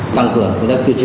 tăng cường công tác tiêu chuẩn